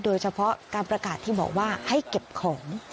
โดยเฉพาะการประกาศที่บอกว่าให้เก็บของ